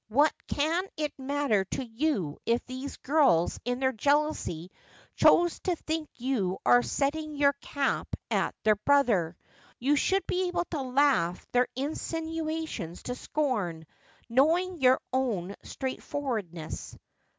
"What can it matter to you if these girls in their jealousy chose to think you are setting your cap at their brother ? You ought to be able to laugh their insinuations to scorn, knowing your own straightforwardness.'